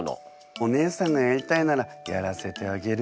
お姉さんがやりたいならやらせてあげる。